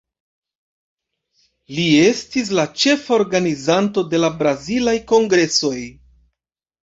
Li estis la ĉefa organizanto de la Brazilaj Kongresoj.